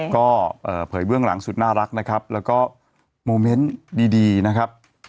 ก็เผยเบื้องหลังสุดน่ารักนะครับแล้วก็โมเมนต์ดีนะครับ